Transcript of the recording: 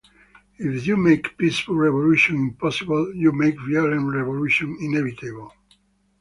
'If you make peaceful revolution impossible, you make violent revolution inevitable.